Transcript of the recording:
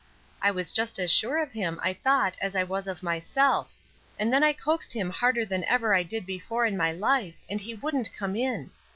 I was just as sure of him I thought as I was of myself, and then I coaxed him harder than I ever did before in my life, and he wouldn't come in."